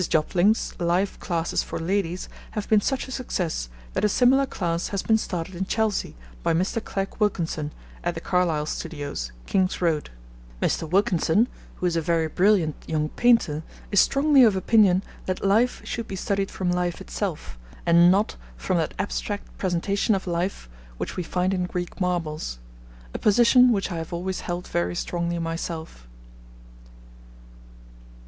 Mrs. Jopling's life classes for ladies have been such a success that a similar class has been started in Chelsea by Mr. Clegg Wilkinson at the Carlyle Studios, King's Road. Mr. Wilkinson (who is a very brilliant young painter) is strongly of opinion that life should be studied from life itself, and not from that abstract presentation of life which we find in Greek marbles a position which I have always held very strongly myself.